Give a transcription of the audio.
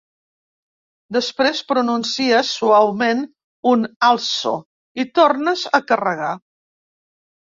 Després pronuncies suaument un Also, i tornes a carregar.